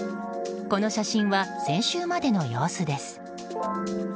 この写真は先週までの様子です。